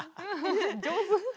上手。